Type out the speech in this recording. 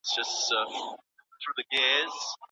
په لاس لیکل د انسانانو ترمنځ اړیکي پیاوړي کوي.